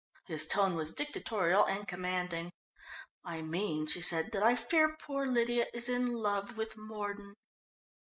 His tone was dictatorial and commanding. "I mean," she said, "that I fear poor Lydia is in love with Mordon."